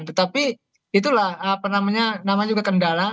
tetapi itulah apa namanya namanya juga kendala